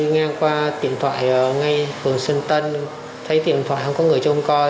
ngang qua tiệm thoại ở ngay phường xuân tân thấy tiệm thoại không có người trong coi